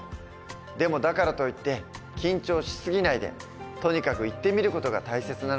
でもだからといって緊張し過ぎないでとにかく行ってみる事が大切なのかもしれない。